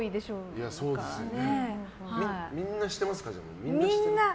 みんなしてますか？